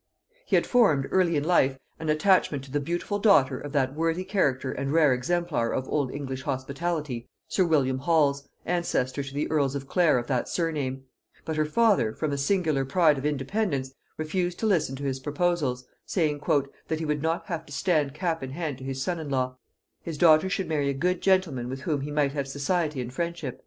He had formed, early in life, an attachment to the beautiful daughter of that worthy character and rare exemplar of old English hospitality, sir William Holles, ancestor to the earls of Clare of that surname; but her father, from a singular pride of independence, refused to listen to his proposals, saying "that he would not have to stand cap in hand to his son in law; his daughter should marry a good gentleman with whom he might have society and friendship."